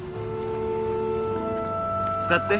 使って。